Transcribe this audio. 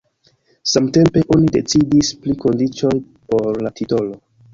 Samtempe oni decidis pri kondiĉoj por la titolo.